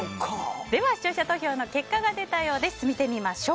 では視聴者投票の結果が出たようです。